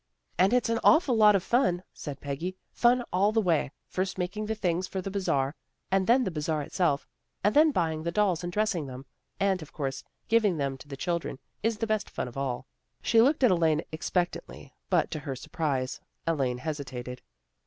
" And it's an awful lot of fun," said Peggy. " Fun all the way, first making the things for the Bazar, and then the Bazar itself, and then buying the dolls and dressing them. And of course giving them to the children is the best fun of all." She looked at Elaine expectantly, but, to her surprise, Elaine hesitated.